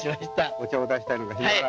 お茶を出したりなんかしながら。